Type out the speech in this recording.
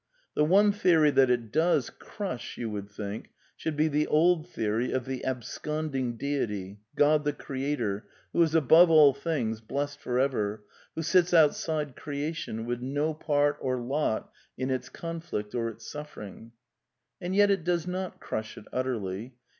The one theory that it does crush, you would think, should be the old theory of the sconding deity, God the Creator, who is above all things. Blessed for ever; who sits outside creation, with no part or lot in its conflict or its suffering. And yet it does not crush it utterly.